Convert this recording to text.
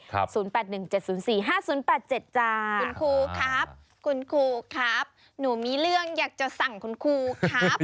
คุณครูครับคุณครูครับหนูมีเรื่องอยากจะสั่งคุณครูครับ